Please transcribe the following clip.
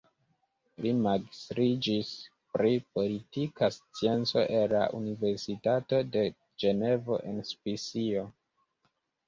Li magistriĝis pri politika scienco el la Universitato de Ĝenevo en Svisio.